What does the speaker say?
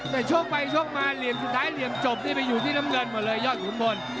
แต่ชกไปชกมาเหลี่ยมสุดท้ายเหลี่ยมจบนี่ไปอยู่ที่น้ำเงินหมดเลยยอดขุนพล